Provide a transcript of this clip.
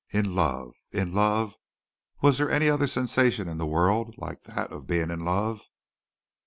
In love! In love! Was there any other sensation in the world like that of being in love?